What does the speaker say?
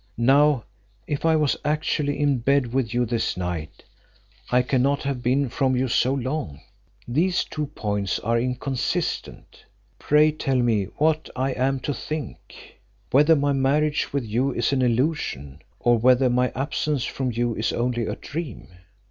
Now, if I was actually in bed with you this night, I cannot have been from you so long. These two points are inconsistent. Pray tell me what I am to think; whether my marriage with you is an illusion, or whether my absence from you is only a dream?"